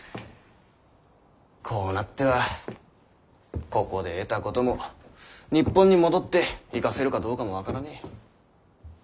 こうなってはここで得たことも日本に戻って生かせるかどうかも分からねぇ。